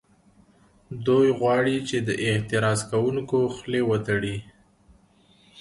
دوی غواړي چې د اعتراض کوونکو خولې وتړي